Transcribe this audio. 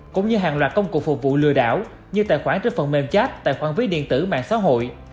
cũng như hàng loạt công cụ phục vụ lừa đảo như tài khoản trên phần mềm chat tài khoản ví điện tử mạng xã hội